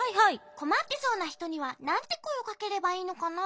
こまってそうなひとにはなんてこえをかければいいのかな？